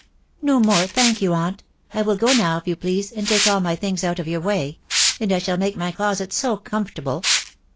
a No more, thank you, aunt. ... I will go now, if you please, and take all my things out of your way •••• and I shall make my closet so comfortable